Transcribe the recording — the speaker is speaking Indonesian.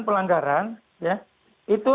pelanggaran ya itu